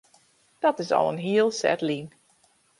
Dat is al in hiel set lyn.